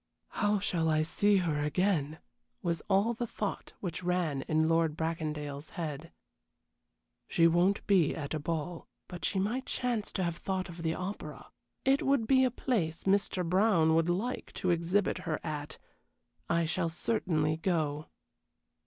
"How shall I see her again?" was all the thought which ran in Lord Bracondale's head. "She won't be at a ball, but she might chance to have thought of the opera. It would be a place Mr. Brown would like to exhibit her at. I shall certainly go."